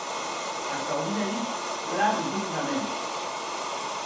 Ac auie dit plan rotondaments.